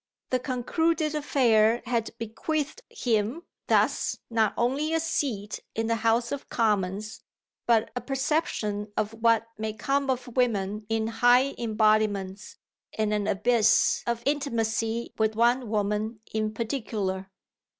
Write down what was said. The concluded affair had bequeathed him thus not only a seat in the House of Commons, but a perception of what may come of women in high embodiments and an abyss of intimacy with one woman in particular.